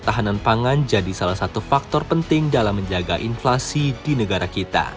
tahanan pangan jadi salah satu faktor penting dalam menjaga inflasi di negara kita